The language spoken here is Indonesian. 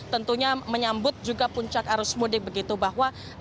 tentunya menyambut juga puncak arus mudik begitu bahwa